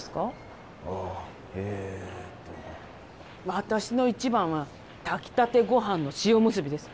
私の一番は炊きたてごはんの塩むすびです。